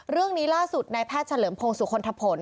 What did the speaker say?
เรื่องนี้ล่าสุดในแพทย์เฉลิมพงศุคลทะผล